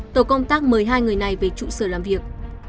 tổ công tác mời hai người này về trụ sở làm việc